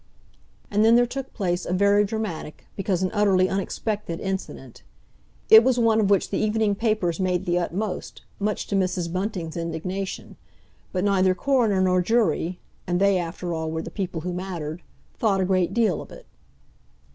And then there took place a very dramatic, because an utterly unexpected, incident. It was one of which the evening papers made the utmost much to Mrs. Bunting's indignation. But neither coroner nor jury—and they, after all, were the people who mattered—thought a great deal of it.